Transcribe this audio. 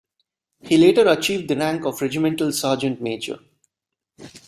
He later achieved the rank of regimental sergeant-major.